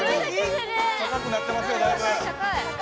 高くなってますよだいぶ。